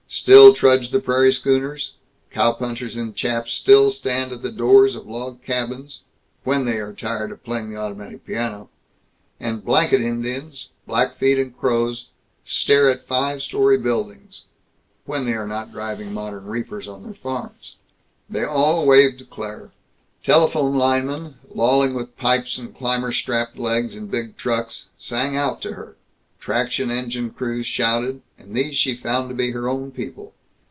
Still trudge the prairie schooners; cowpunchers in chaps still stand at the doors of log cabins when they are tired of playing the automatic piano; and blanket Indians, Blackfeet and Crows, stare at five story buildings when they are not driving modern reapers on their farms. They all waved to Claire. Telephone linemen, lolling with pipes and climber strapped legs in big trucks, sang out to her; traction engine crews shouted; and these she found to be her own people.